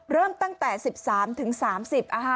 เริ่มตั้งแต่๑๓๓๐